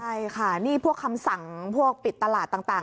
ใช่ค่ะนี่พวกคำสั่งพวกปิดตลาดต่าง